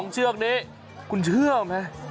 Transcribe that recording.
เชือกนี้คุณเชื่อไหม